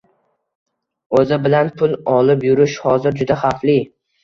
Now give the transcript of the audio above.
• O‘zi bilan pul olib yurish hozir juda xavfli;